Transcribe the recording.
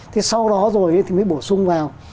thì sau đó rồi thì mới bổ sung vào